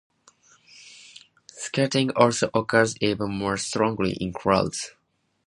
Scattering also occurs even more strongly in clouds.